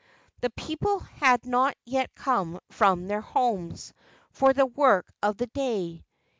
The people had not yet come from their homes for the work of the day.